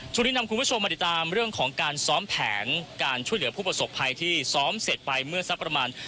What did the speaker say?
ช่วงนี้นำคุณผู้ชมมาติดตามเรื่องของการซ้อมแผนการช่วยเหลือผู้ประสบภัยที่ซ้อมเสร็จไปเมื่อสักประมาณ